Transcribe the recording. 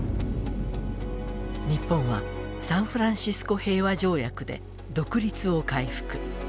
日本はサンフランシスコ平和条約で独立を回復。